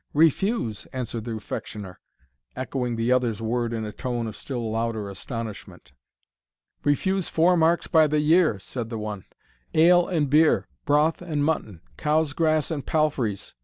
"Refuse!" answered the Refectioner, echoing the other's word in a tone of still louder astonishment. "Refuse four marks by the year!" said the one. "Ale and beer broth and mutton cow's grass and palfrey's!"